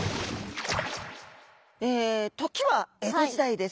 え時は江戸時代です。